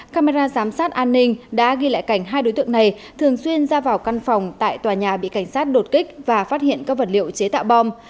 camera giám sát an ninh đã ghi lại cảnh hai đối tượng này thường xuyên ra vào căn phòng tại tòa nhà bị cảnh sát đột kích và phát hiện các vật liệu chế tạo bom